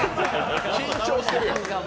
緊張してるやん。